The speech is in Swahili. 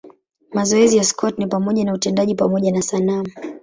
Mazoezi ya Scott ni pamoja na utendaji pamoja na sanamu.